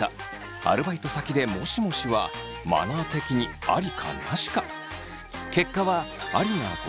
アルバイト先で「もしもし」はマナー的にありかなしか。